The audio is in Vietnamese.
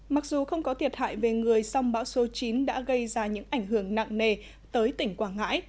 mặc dù không có thiệt hại về người song bão số chín đã gây ra những ảnh hưởng nặng nề tới tỉnh quảng ngãi